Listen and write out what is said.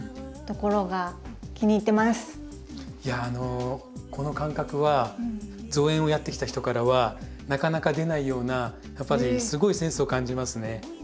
いやあのこの感覚は造園をやってきた人からはなかなか出ないようなやっぱりすごいセンスを感じますね。